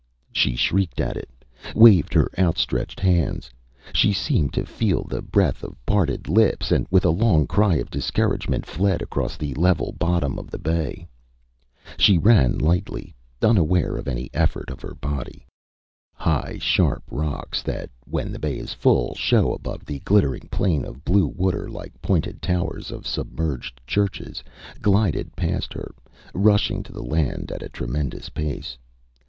She shrieked at it waved her outstretched hands. She seemed to feel the breath of parted lips, and, with a long cry of discouragement, fled across the level bottom of the bay. She ran lightly, unaware of any effort of her body. High sharp rocks that, when the bay is full, show above the glittering plain of blue water like pointed towers of submerged churches, glided past her, rushing to the land at a tremendous pace.